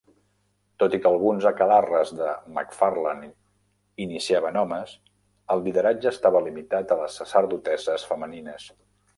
Tot i que alguns aquelarres de McFarland iniciaven homes, el lideratge estava limitat a les sacerdotesses femenines.